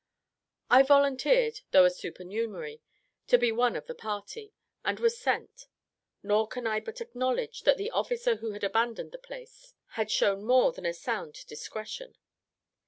I volunteered, though a supernumerary, to be one of the party, and was sent: nor can I but acknowledge that the officer who had abandoned the place had shown more than a sound discretion.